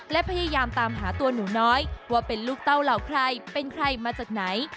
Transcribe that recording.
และพยายามตามหาตัวหนูน้อยว่าเป็นลูกเต้าเหล่าใครเป็นใครมาจากไหน